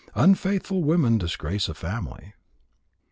Unfaithful women disgrace a family.